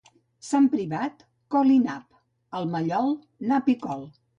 Sant Privat, col i nap El Mallol, nap i col